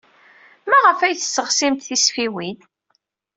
Maɣef ay tesseɣsimt tisfiwin?